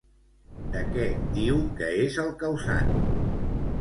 De què diu que és el causant?